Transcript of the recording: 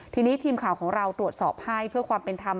ทีนี้ทีมข่าวของเราตรวจสอบให้เพื่อความเป็นธรรม